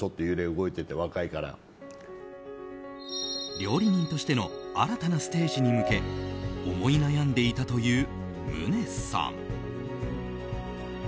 料理人としての新たなステージに向け思い悩んでいたという宗さん。